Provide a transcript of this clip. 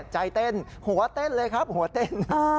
ใจเต้นหัวเต้นเลยครับหัวเต้น